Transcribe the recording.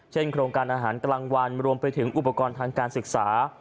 โครงการอาหารกลางวันรวมไปถึงอุปกรณ์ทางการศึกษา